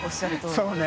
そうね。